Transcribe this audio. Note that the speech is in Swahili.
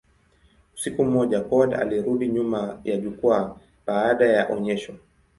Usiku mmoja, Coward alirudi nyuma ya jukwaa baada ya onyesho.